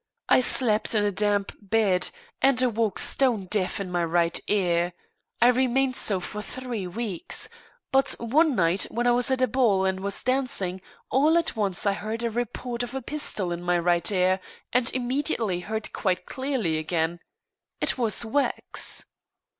I slept in a damp bed, and awoke stone deaf in my right ear. I remained so for three weeks. But one night when I was at a ball and was dancing, all at once I heard a report as of a pistol in my right ear, and immediately heard quite clearly again. It was wax."